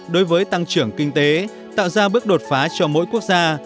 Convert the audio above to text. đối với tăng trưởng kinh tế tạo ra bước đột phá cho mỗi quốc gia